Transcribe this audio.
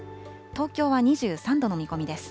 東京は２３度の見込みです。